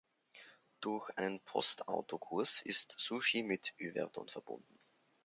Durch einen Postautokurs ist Suchy mit Yverdon verbunden.